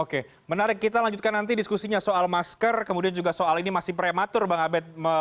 oke menarik kita lanjutkan nanti diskusinya soal masker kemudian juga soal ini masih prematur bang abed